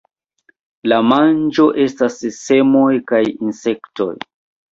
La manĝo estas semoj kaj insektoj.